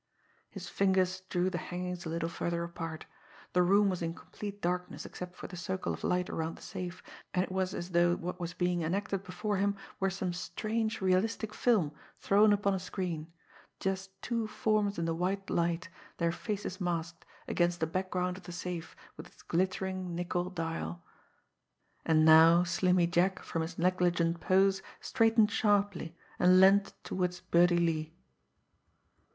His fingers drew the hangings a little further apart. The room was in complete darkness except for the circle of light around the safe, and it was as though what was being enacted before him were some strange, realistic film thrown upon a screen just two forms in the white light, their faces masked, against the background of the safe, with its glittering nickel dial. And now Slimmy Jack, from his negligent pose, straightened sharply and leaned toward Birdie Lee.